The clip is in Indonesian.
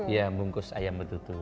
ya bungkus ayam betutu